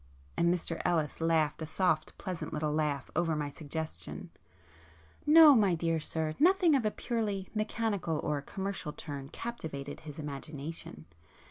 and Mr Ellis laughed a soft pleasant little laugh over my suggestion—"No, my dear sir—nothing of a purely mechanical or commercial turn captivated his imagination.